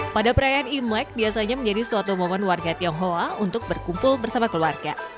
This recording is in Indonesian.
pada perayaan imlek biasanya menjadi suatu momen warga tionghoa untuk berkumpul bersama keluarga